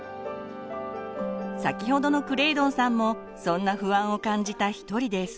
先ほどのクレイドンさんもそんな不安を感じた一人です。